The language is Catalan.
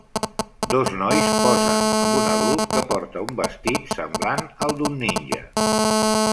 Dos nois posen amb un adult que porta un vestit semblant al d'un ninja.